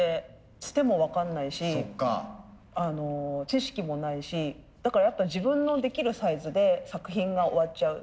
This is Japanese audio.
つても分かんないし知識もないしだからやっぱ自分のできるサイズで作品が終わっちゃう。